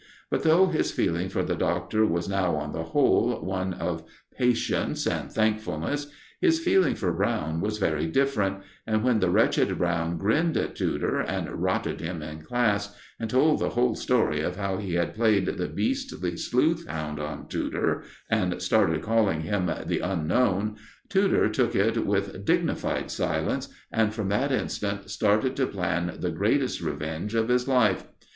But though his feeling for the Doctor was now, on the whole, one of patience and thankfulness, his feeling for Brown was very different, and when the wretched Brown grinned at Tudor, and rotted him in class, and told the whole story of how he had played the beastly sleuth hound on Tudor, and started calling him "The Unknown," Tudor took it with dignified silence, and from that instant started to plan the greatest revenge of his life.